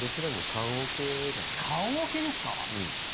棺おけですか！？